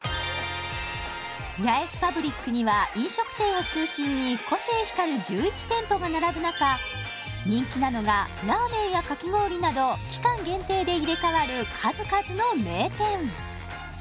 ヤエスパブリックには飲食店を中心に個性光る１１店舗が並ぶ中人気なのがラーメンやかき氷など期間限定で入れ替わる数々の名店